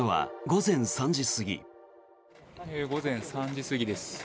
午前３時過ぎです。